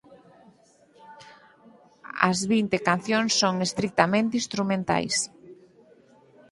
As vinte cancións son estritamente instrumentais.